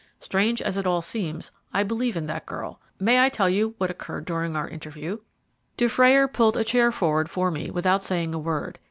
Strange as it all seems, I believe in that girl. May I tell you what occurred during our interview?" Dufrayer pulled a chair forward for me without saying a word.